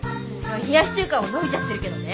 冷やし中華ものびちゃってるけどね。